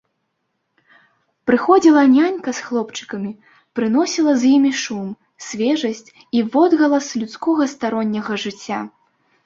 Прыходзіла нянька з хлопчыкамі, прыносіла з імі шум, свежасць і водгалас людскога старонняга жыцця.